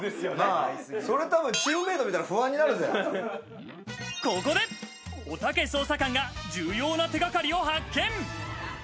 チームメート見たら不安ここでおたけ捜査官が重要な手掛かりを発見。